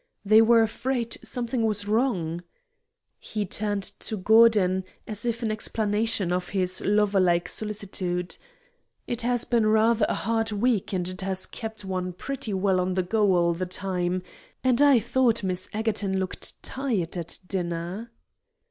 "They were afraid something was wrong." He turned to Gordon, as if in explanation of his lover like solicitude. "It has been rather a hard week, and it has kept one pretty well on the go all the time, and I thought Miss Egerton looked tired at dinner."